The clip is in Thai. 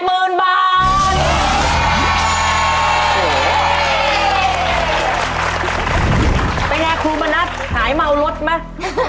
เป็นไงครูมณัฐหายเมารถไหม